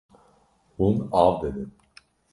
Hûn av didin.